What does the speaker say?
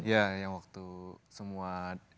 ya yang waktu semua